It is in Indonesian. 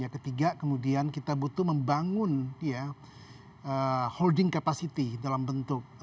ketiga kemudian kita butuh membangun holding capacity dalam bentuk